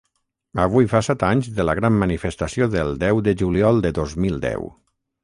Avui fa set anys de la gran manifestació del deu de juliol de dos mil deu.